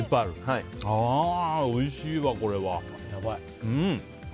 おいしいわ、これは。